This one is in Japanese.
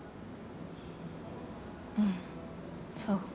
うんそう。